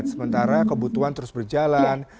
sementara kebutuhan terus berjalan